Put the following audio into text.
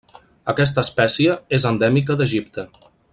Aquesta espècie és endèmica d'Egipte.